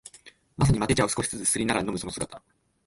まさにマテ茶を少しづつすすりながら飲むその姿